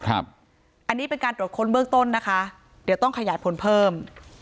อันนี้เป็นการตรวจค้นเบื้องต้นนะคะเดี๋ยวต้องขยายผลเพิ่ม